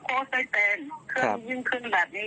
เครื่องยิ่งเครื่องแบบนี้ทำไม่เป็นดูได้แต่ลูกอย่างเดียว